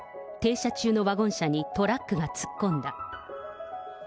停車中のワゴン車にトラックが突っ込んだ。